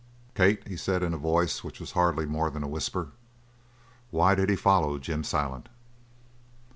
"Kate," he said in a voice which was hardly more than a whisper, "why did he follow Jim Silent?"